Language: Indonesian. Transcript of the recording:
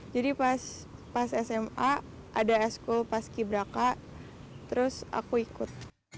jadi pas sma ada eskul paskibra k terus aku ikut